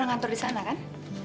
aku juga yakin aku juga yakin